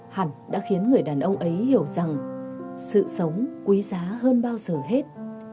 hẳn đã khiến người đàn ông ấy hiểu rằng sự sống quý giá hơn bao giờ hết